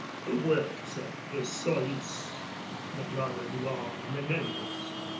The words of De Solis, the brother in law of Menendez.